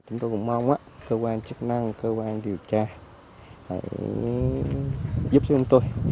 chúng tôi cũng mong cơ quan chức năng cơ quan điều tra giúp cho chúng tôi